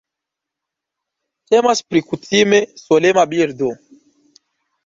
Temas pri kutime solema birdo.